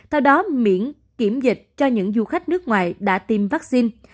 theo đó miễn kiểm dịch cho những du khách nước ngoài đã tiêm vaccine